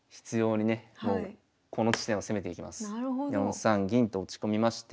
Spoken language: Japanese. ４三銀と打ち込みまして。